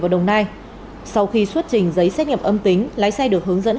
an toàn sản xuất cho cả hệ thống